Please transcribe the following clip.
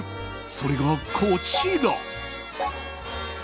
それがこちら。